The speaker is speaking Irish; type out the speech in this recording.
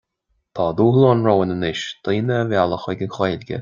Tá dúshlán romhainn anois daoine a mhealladh chuig an Gaeilge